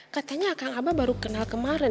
katanya kang abah baru kenal kemarin